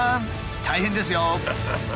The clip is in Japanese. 大変ですよ。